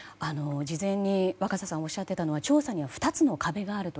事前に若狭さんがおっしゃっていたのは調査には２つの壁があると。